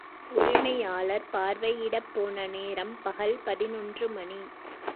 உரிமையாளர் பார்வையிடப் போன நேரம் பகல் பதினொன்று மணி.